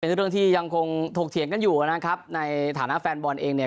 เรื่องที่ยังคงถกเถียงกันอยู่นะครับในฐานะแฟนบอลเองเนี่ย